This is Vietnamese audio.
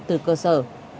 từ cơ sở